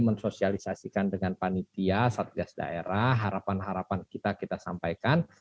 mensosialisasikan dengan panitia satgas daerah harapan harapan kita kita sampaikan